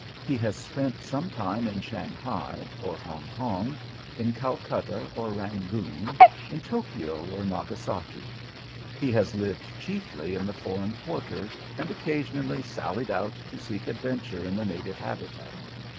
He has spent some time in Shanghai or Hong Kong, in Calcutta or Rangoon, in Tokyo or Nagasaki. He has lived chiefly in the foreign quarter and occasionally sallied out to seek adventure in the native habitat.